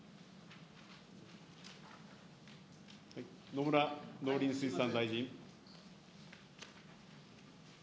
野村農林水産大臣。